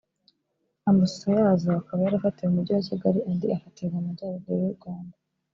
amshsusho yazo akaba yarafatiwe mu mugi wa Kigali andi abfatirwa mu majyaruguru y’u Rwanda